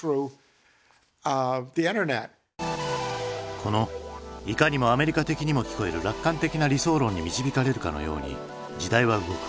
このいかにもアメリカ的にも聞こえる楽観的な理想論に導かれるかのように時代は動く。